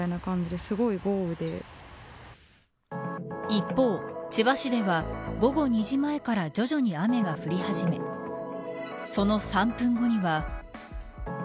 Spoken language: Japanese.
一方、千葉市では午後２時前から徐々に雨が降り始めその３分後には。